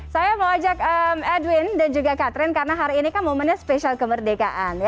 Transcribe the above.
saya mau ajak edwin dan juga catherine karena hari ini kan momennya spesial kemerdekaan